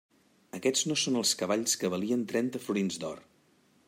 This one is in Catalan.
Aquests no són els cavalls que valien trenta florins d'or!